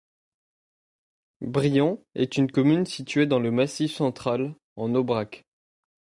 Brion est une commune située dans le Massif central, en Aubrac.